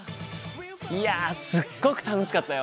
いやすっごく楽しかったよ！